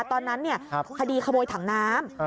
ตอนนั้นคดีขโมยถังน้ำ